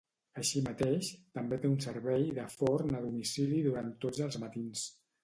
Així mateix, també té un servei de forn a domicili durant tots els matins.